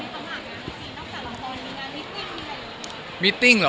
มิตเต้นละครับน้องสารมณ์พอลมีงานมีเต้นหรอ